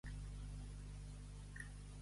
És salut tot el que Déu vol.